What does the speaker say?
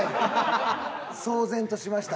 騒然としました。